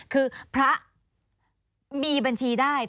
คือพระมีบัญชีได้